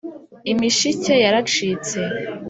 Imishike yaracitse